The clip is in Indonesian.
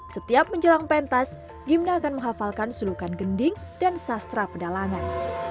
setiap menjelang pentas gimna akan menghafalkan sulukan gending dan sastra pedalangan